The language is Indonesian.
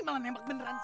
mau nembak beneran sih